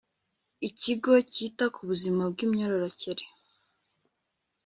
ikigo cyita ku buzima bw imyororokere